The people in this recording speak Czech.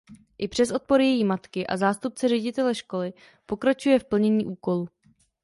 I přes odpor její matky a zástupce ředitele školy pokračuje v plnění úkolu.